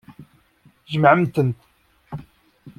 Jemɛemt-ten.